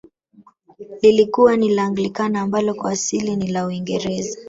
Lilikuwa ni la Anglikana ambalo kwa asili ni la uingereza